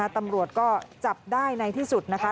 ตำรวจก็จับได้ในที่สุดนะคะ